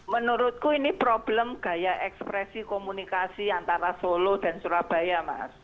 menurutku ini problem gaya ekspresi komunikasi antara solo dan surabaya mas